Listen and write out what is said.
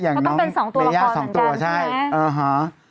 ก็เป็นสองตัวละครเหมือนกันนะอย่างนะใช่เออฮ่า